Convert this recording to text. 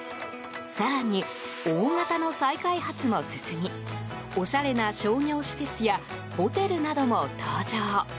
更に、大型の再開発も進みおしゃれな商業施設やホテルなども登場。